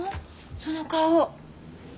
その顔。